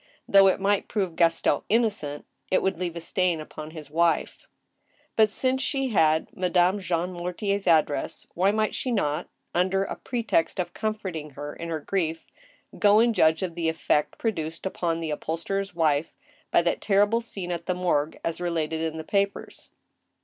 Though it might prove Gaston innocent, it would leave a stain upon his wife. But since she had Madame Jean Mortier's address, why might she not, under a pretext of comforting her in her grief, go and judge of the effect produced upon the upholsterer's wife by that ter rible scene at the morgue as related in the papers